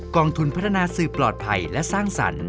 องทุนพัฒนาสื่อปลอดภัยและสร้างสรรค์